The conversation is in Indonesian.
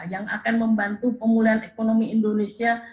yang akan membantu pemulihan ekonomi indonesia